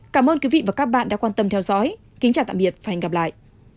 cảm ơn các bạn đã theo dõi và hẹn gặp lại